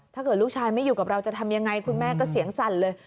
ถ้าเกิดลูกชายไม่อยู่กับเราจะทำยังไงคุณแม่ก็เสียงสั่นเลย